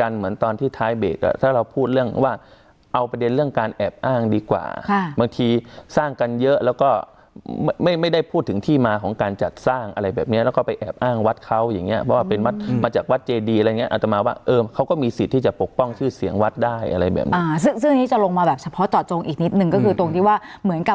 กันเหมือนตอนที่ท้ายเบสอ่ะถ้าเราพูดเรื่องว่าเอาประเด็นเรื่องการแอบอ้างดีกว่าบางทีสร้างกันเยอะแล้วก็ไม่ไม่ได้พูดถึงที่มาของการจัดสร้างอะไรแบบเนี้ยแล้วก็ไปแอบอ้างวัดเขาอย่างเงี้ยเพราะว่าเป็นวัดมาจากวัดเจดีอะไรอย่างเงี้ยอาจจะมาว่าเออเขาก็มีสิทธิ์ที่จะปกป้องชื่อเสียงวัดได้อะไรแบบนี้อ่าซึ่งซึ่